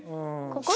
ここ？